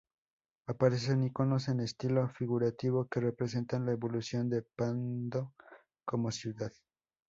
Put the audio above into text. Aparecen íconos en estilo figurativo que representan la evolución de Pando como ciudad.